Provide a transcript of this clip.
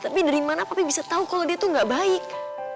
tapi dari mana papi bisa tahu kalau dia tuh gak baik